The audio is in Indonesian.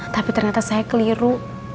tapi ternyata saya keliru